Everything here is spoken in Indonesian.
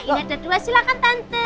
ini ada dua silahkan tante